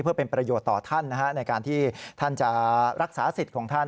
เพื่อเป็นประโยชน์ต่อท่านในการที่ท่านจะรักษาสิทธิ์ของท่าน